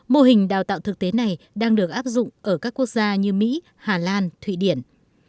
mô hình đào tạo thực tế này đang được áp dụng ở các quốc gia như mỹ hà lan thụy điển